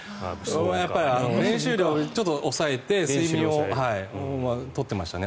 やっぱり練習量をちょっと抑えて睡眠を取ってましたね。